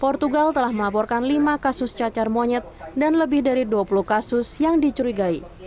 portugal telah melaporkan lima kasus cacar monyet dan lebih dari dua puluh kasus yang dicurigai